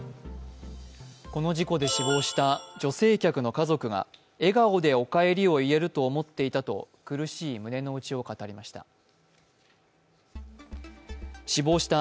この事故で死亡した女性客の家族が笑顔でおかえりを言えると思っていたと苦しい胸の内を語りました。